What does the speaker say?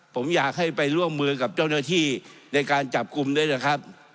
ผมอยากให้ไปร่วมมือกับเจ้าหน้าที่ในการจับกลุ่มด้วยนะครับ